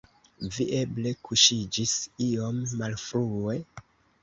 Vi eble kuŝiĝis iom malfrue?